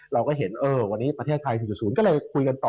เราก็เห็นวันนี้ประเทศไทย๔๐ก็เลยคุยกันต่อ